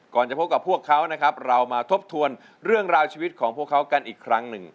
จะพบกับพวกเขานะครับเรามาทบทวนเรื่องราวชีวิตของพวกเขากันอีกครั้งหนึ่ง